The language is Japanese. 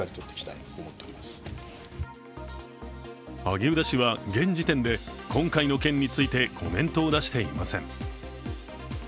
萩生田氏は現時点で今回の件についてコメントを出していません。